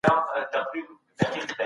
انصاف د زړونو د نژدي کیدو لامل کیږي.